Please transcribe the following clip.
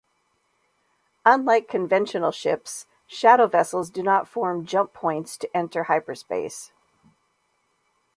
Unlike conventional ships, Shadow vessels do not form "Jump Points" to enter Hyperspace.